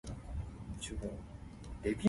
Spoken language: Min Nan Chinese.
濟